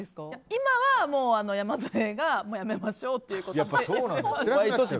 今は山添がやめましょうということで。